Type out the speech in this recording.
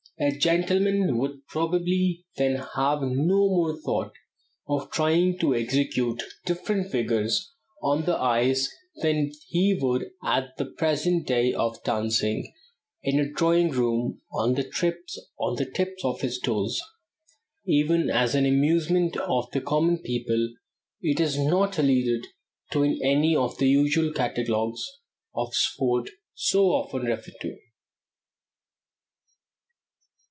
A gentleman would probably then have no more thought of trying to execute different figures on the ice than he would at the present day of dancing in a drawing room on the tips of his toes." Even as an amusement of the common people it is not alluded to in any of the usual catalogues of sport so often referred to.